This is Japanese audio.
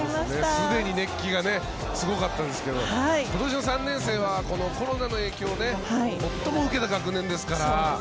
すでに熱気がすごかったですけど今年の３年生はコロナの影響を最も受けた学年ですから。